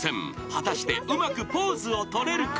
［果たしてうまくポーズをとれるか？］